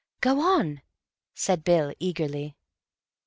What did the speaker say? "Go on," said Bill eagerly.